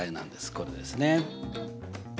これですね。